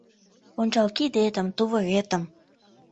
— Ончал кидетым, тувыретым...